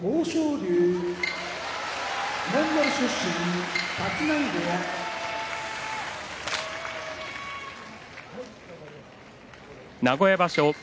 龍モンゴル出身立浪部屋名古屋場所